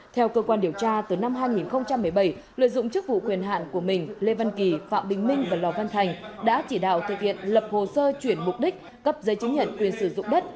theo cơ quan điều tra từ năm hai nghìn một mươi bảy lợi dụng chức vụ quyền hạn của mình lê văn kỳ phạm bình minh và lò văn thành đã chỉ đạo thực hiện lập hồ sơ chuyển mục đích cấp giấy chứng nhận quyền sử dụng đất